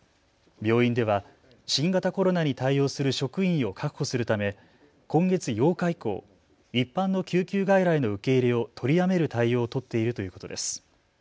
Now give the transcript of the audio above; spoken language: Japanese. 病院では新型コロナに対応する職員を確保するため今月８日以降、一般の救急外来の受け入れを取りやめる対応を取っているということです。